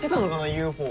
ＵＦＯ。